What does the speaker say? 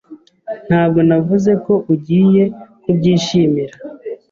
Ntabwo navuze ko ugiye kubyishimira.